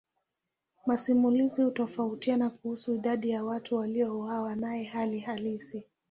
Masimulizi hutofautiana kuhusu idadi ya watu waliouawa naye hali halisi.